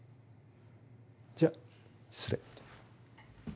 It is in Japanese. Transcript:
じゃあ失礼。